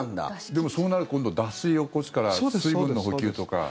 でも、そうなると今度脱水を起こすから水分の補給とか。